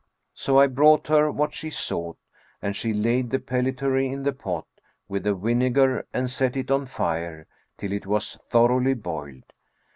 '[FN#439] So I brought her what she sought, and she laid the pellitory in the pot with the vinegar and set it on the fire, till it was thoroughly boiled.